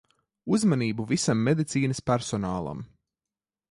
Uzmanību visam medicīnas personālam.